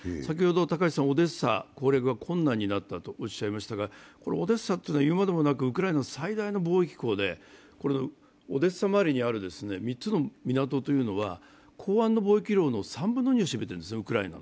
高橋さんがオデーサ攻略が困難になったとおっしゃいましたがオデーサというのはウクライナ最大の貿易港でオデーサ周りにある３つの港というのは、港湾のウクライナの貿易量の３分の２を占めているんですね。